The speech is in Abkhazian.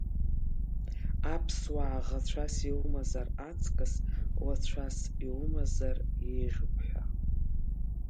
Аԥсуаа ӷацәас иумазар аҵкыс, уацәас иумазар еиӷьуп ҳәа.